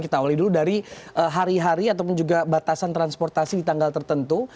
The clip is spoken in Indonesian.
kita awali dulu dari hari hari ataupun juga batasan transportasi di tanggal tertentu